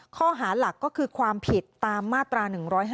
ข้อหาหลักก็คือความผิดตามมาตรา๑๕